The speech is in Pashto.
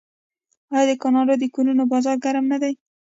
آیا د کاناډا د کورونو بازار ګرم نه دی؟